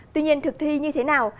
tuy nhiên thực thi như thế nào